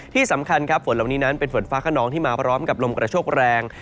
ที่สำคัญครับฝนเหล่านี้นั้นเป็นฝนฟ้าขนองที่มาพร้อมกับลมกระโชคแรง